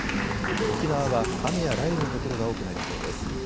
沖縄は雨や雷雨の所が多くなりそうです。